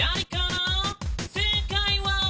「正解は」